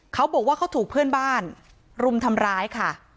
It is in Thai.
เขาบอกว่าเขาถูกเพื่อนบ้านรุมทำร้ายค่ะ